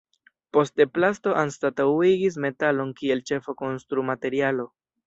Poste plasto anstataŭigis metalon kiel ĉefa konstrumaterialo.